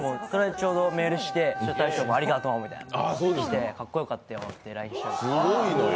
ちょうどメールして大昇もありがとうってかっこよかったよってＬＩＮＥして。